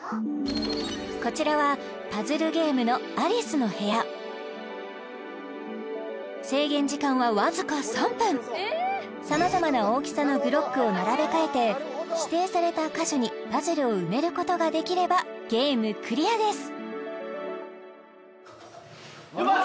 こちらはパズルゲームのアリスの部屋制限時間はわずか３分さまざまな大きさのブロックを並べ替えて指定された箇所にパズルを埋めることができればゲームクリアですヤバっ